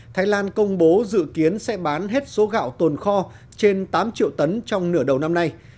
thái lan công bố dự kiến sẽ bán hết số gạo tồn kho trên tám triệu tấn trong nửa đầu năm nay